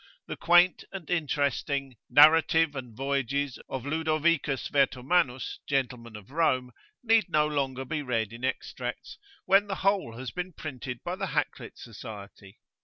The quaint and interesting "Narrative and Voyages of Ludovicus Vertomannus, Gentleman of Rome," need no longer be read in extracts, when the whole has been printed by the Hakluyt Society.